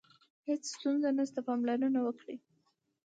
هیڅ ستونزه نشته، پاملرنه وکړئ.